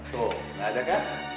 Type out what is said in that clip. tuh gak ada kan